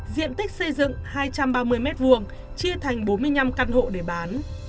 diện tích xây dựng hai trăm ba mươi m hai chia thành bốn mươi năm căn hộ để bán